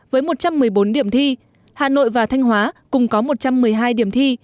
với một trăm một mươi bốn điểm thi hà nội và thanh hóa cùng có một trăm một mươi hai điểm thi